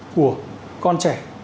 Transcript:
của con trẻ